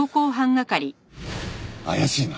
怪しいな。